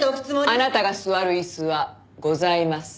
あなたが座る椅子はございません。